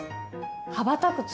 羽ばたく鶴？